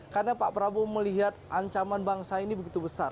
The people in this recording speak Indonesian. karena pak prabowo melihat ancaman bangsa ini begitu besar